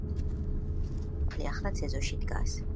მისი ოდა სახლი ახლაც ეზოში დგას.